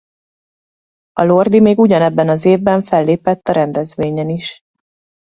A Lordi még ugyanebben az évben fellépett a rendezvényen is.